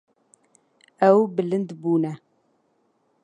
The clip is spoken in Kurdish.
Ew bilind bûne.